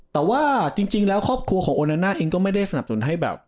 แต่ว่าจริงแล้วครอบครัวของโอนาน่าเองก็ไม่ได้สนับสนุนให้แบบ